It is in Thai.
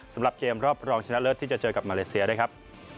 สำหรับเกมรอบรองชนะเลิศที่จะเจอกับมาเลเซียนะครับ